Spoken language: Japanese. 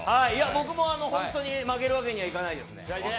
僕もホントに負けるわけにはいかないですね。